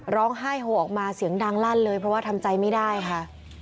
ร้องไห้โฮออกมาเสียงดังลั่นเลยเพราะว่าทำใจไม่ได้ค่ะ